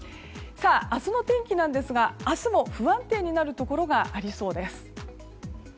明日の天気ですが明日も不安定になるところがありそうです。